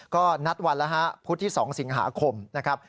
ก็นัดวันแล้วฮะพุธที่๒สิงหาคมนะครับ